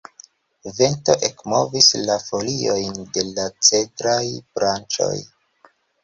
Vento ekmovis la foliojn de la cedraj branĉoj.